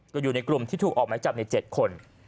ก็อยู่ในกลุ่มที่ถูกออกไม้จับใน๗คน